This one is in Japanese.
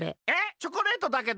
チョコレートだけど？